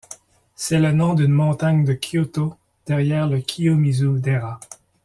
C'est le nom d'une montagne de Kyōto derrière le Kiyomizu-dera.